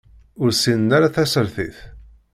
Ur ssinen ara tasertit.